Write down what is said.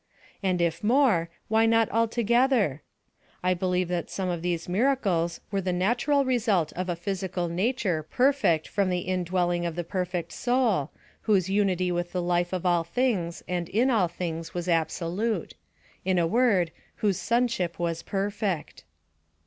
And if more, why not altogether? I believe that some of these miracles were the natural result of a physical nature perfect from the indwelling of a perfect soul, whose unity with the Life of all things and in all things was absolute in a word, whose sonship was perfect.